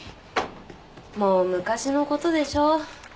もう昔のことでしょ。